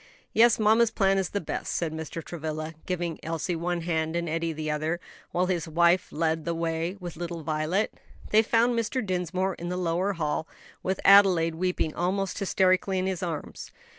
"Yes, mamma's plan is the best," said Mr. Travilla, giving Elsie one hand and Eddie the other, while his wife led the way with little Violet. They found Mr. Dinsmore in the lower hall, with Adelaide weeping almost hysterically in his arms.